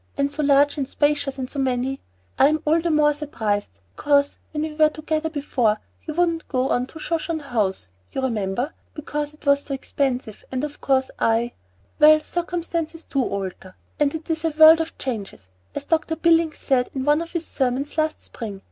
and so large and spacious, and so many I'm all the more surprised because when we were together before, you wouldn't go to the Shoshone House, you remember, because it was so expensive, and of course I Well, circumstances do alter; and it is a world of changes, as Dr. Billings said in one of his sermons last spring.